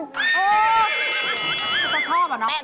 แต่ผมชอบละนะ